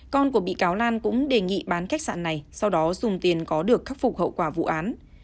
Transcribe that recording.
con của bị cáo lan cũng đề nghị bán khách sạn này sau đó dùng tiền có được khắc phục hậu quả vụ án